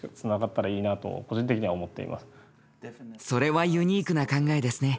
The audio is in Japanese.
それはユニークな考えですね。